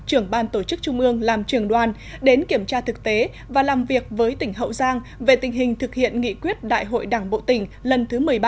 trưởng ban tổ chức trung ương làm trường đoàn đến kiểm tra thực tế và làm việc với tỉnh hậu giang về tình hình thực hiện nghị quyết đại hội đảng bộ tỉnh lần thứ một mươi ba